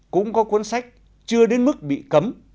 cũng có cuốn sách chưa đến mức bị cấm